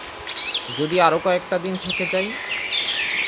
যদি আরও কয়টা দিন থেকে যাই?